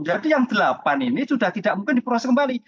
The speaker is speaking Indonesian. jadi yang delapan ini sudah tidak mungkin diproses kembali